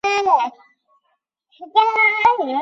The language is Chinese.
科潘是玛雅文明古典时期最重要的城邦之一。